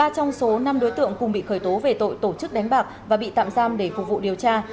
ba trong số năm đối tượng cùng bị khởi tố về tội tổ chức đánh bạc và bị tạm giam để phục vụ điều tra